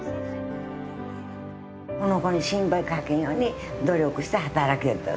この子に心配かけんように努力して働けたら。